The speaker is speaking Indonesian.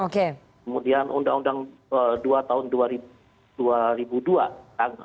kemudian undang undang dua tahun